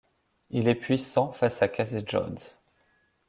Il est puissant face à Casey Jones.